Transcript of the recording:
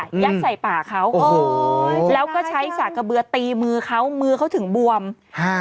ยัดใส่ปากเขาโอ้ยแล้วก็ใช้สากกระเบือตีมือเขามือเขาถึงบวมอ่า